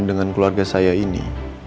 dengan keluarga saya ini